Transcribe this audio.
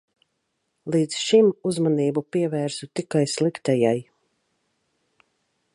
Līdz šim uzmanību pievērsu tikai sliktajai.